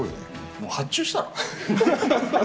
もう発注したら？